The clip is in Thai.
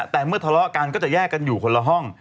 แต่เมื่อทะเลาะกันก็จะแยกกันอยู่คนละห้อง